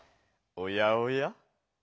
おやおや。